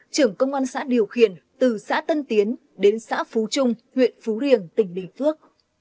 trưởng công an xã điều khiển từ xã tân tiến đến xã phú trung huyện phú riềng tỉnh bình phước